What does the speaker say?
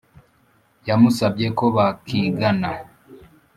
yamusabye ko bakigana